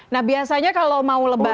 nah biasanya kalau mau lebaran